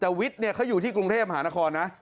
แต่วิทย์เนี่ยเขาอยู่ที่กรุงเทพหานครนะ